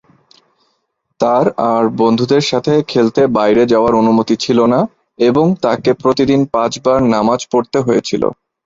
তার আর বন্ধুদের সাথে খেলতে বাইরে যাওয়ার অনুমতি ছিল না এবং তাকে প্রতিদিন পাঁচবার নামাজ পড়তে হয়েছিল।